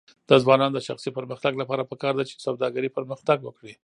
د ځوانانو د شخصي پرمختګ لپاره پکار ده چې سوداګري پرمختګ ورکړي.